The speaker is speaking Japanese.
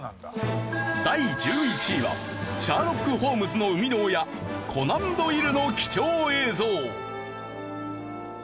第１１位は『シャーロック・ホームズ』の生みの親コナン・ドイルの貴重映像。